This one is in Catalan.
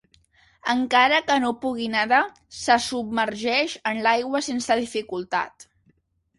Encara que no pugui nedar, se submergeix en l'aigua sense dificultat.